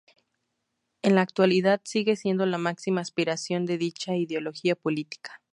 En la actualidad, sigue siendo la máxima aspiración de dicha ideología política.